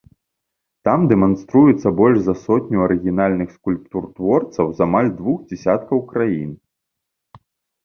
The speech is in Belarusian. Там дэманструецца больш за сотню арыгінальных скульптур творцаў з амаль двух дзясяткаў краін.